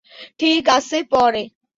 ঠিক আছে, পরে।